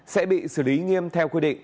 sẽ bị xử lý nghiêm theo quy định